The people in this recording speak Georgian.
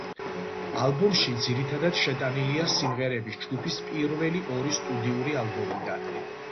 ალბომში ძირითადად შეტანილია სიმღერების ჯგუფის პირველი ორი სტუდიური ალბომიდან.